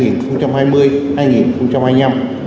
nhiệm kỳ hai nghìn hai mươi hai nghìn hai mươi năm